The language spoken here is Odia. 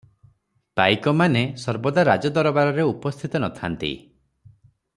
ପାଇକମାନେ ସର୍ବଦା ରାଜଦରବାରରେ ଉପସ୍ଥିତ ନ ଥାନ୍ତି ।